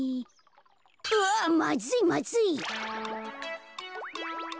うわっまずいまずい！